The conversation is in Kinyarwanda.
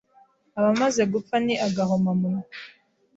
abamaze gupfa ni agahoma munwa